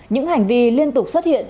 những hành vi liên tục xuất hiện